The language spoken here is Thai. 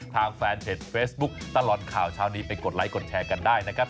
ทางแฟนเพจเฟซบุ๊คตลอดข่าวเช้านี้ไปกดไลค์กดแชร์กันได้นะครับ